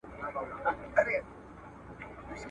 کتاب د تېرو تجربو خزانه ده چي راتلونکی نسل ته لار ..